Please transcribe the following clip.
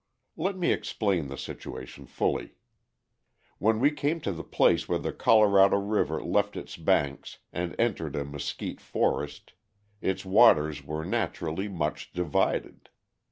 Let me explain the situation fully. When we came to the place where the Colorado River left its banks and entered a mesquite forest, its waters were naturally much divided.